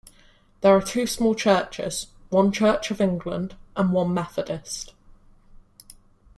There are two small churches, one Church of England and one Methodist.